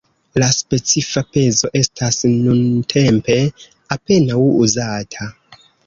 La specifa pezo estas nuntempe apenaŭ uzata.